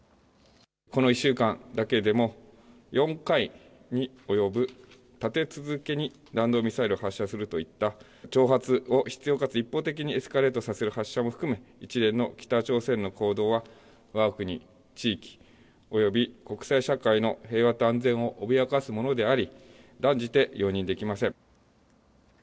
この１週間だけでも４回に及ぶ立て続けに弾道ミサイルを発射するといった挑発を執ようかつ一方的にエスカレートさせる発射も含め一連の北朝鮮の行動はわが国、地域、および国際社会の平和と安全を脅かすものであり断じて容認できません。